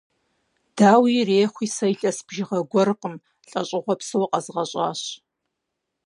Дауи ирехъуи, сэ илъэс бжыгъэ гуэркъым – лӀэщӀыгъуэ псо къэзгъэщӀащ.